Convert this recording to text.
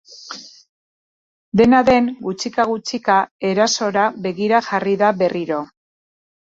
Dena den, gutxika-gutxika erasora begira jarri da berriro.